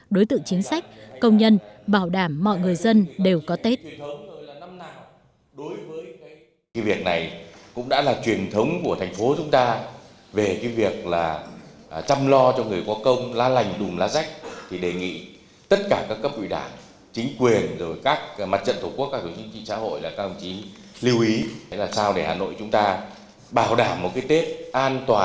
đối tượng chính sách công nhân bảo đảm mọi người dân đều có tết